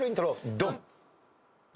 ドン！